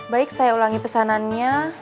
baik saya ulangi pesanannya